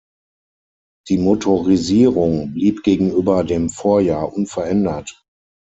Die Motorisierung blieb gegenüber dem Vorjahr unverändert.